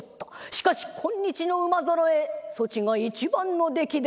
しかし今日の馬揃えそちが一番の出来である。